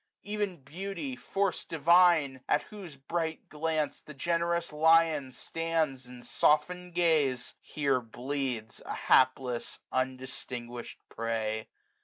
Ev'n beauty, force divine! at whose bright glance 405 The generous lion stands in softened gaze. Here bleeds, a hapless undistinguished prey.